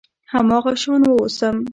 هماغه شان واوسم .